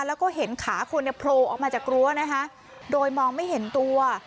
แล้วก็เห็นขาคนเนี่ยโผล่ออกมาจากรั้วนะคะโดยมองไม่เห็นตัว